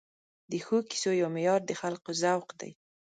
د ښو کیسو یو معیار د خلکو ذوق دی.